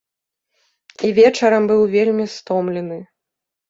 І вечарам быў вельмі стомлены.